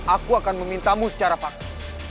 aku akan memintamu secara paksa